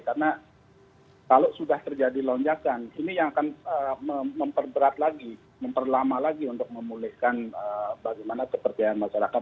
karena kalau sudah terjadi lonjakan ini yang akan memperberat lagi memperlama lagi untuk memulihkan bagaimana kepercayaan masyarakat